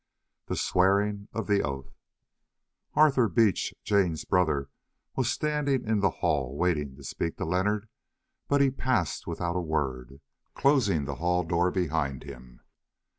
THE SWEARING OF THE OATH Arthur Beach, Jane's brother, was standing in the hall waiting to speak to Leonard, but he passed without a word, closing the hall door behind him.